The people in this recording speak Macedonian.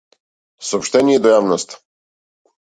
Сооштение до јавноста.